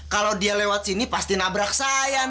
kalau dia lewat sini pasti nabrak saya